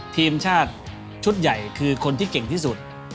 ทีมชาติชุดใหญ่คือคนที่เก่งที่สุด